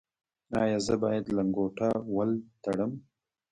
ایا زه باید لنګوټه ول تړم؟